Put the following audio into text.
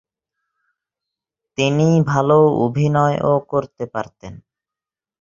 তিনি ভালো অভিনয়ও করতে পারতেন।